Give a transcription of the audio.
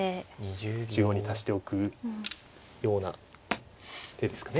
中央に足しておくような手ですかね。